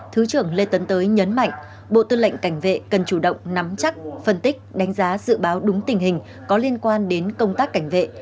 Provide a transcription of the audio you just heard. thứ trưởng lê tấn tới nhấn mạnh bộ tư lệnh cảnh vệ cần chủ động nắm chắc phân tích đánh giá dự báo đúng tình hình có liên quan đến công tác cảnh vệ